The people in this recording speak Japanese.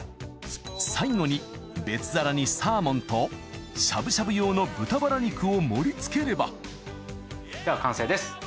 最後に別皿にサーモンとしゃぶしゃぶ用の豚バラ肉を盛り付ければ完成です。